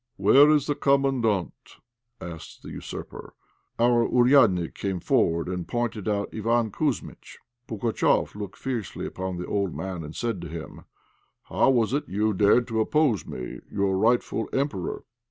"Where is the Commandant?" asked the usurper. Our "ouriadnik" came forward and pointed out Iván Kouzmitch. Pugatchéf looked fiercely upon the old man and said to him, "How was it you dared to oppose me, your rightful Emperor?"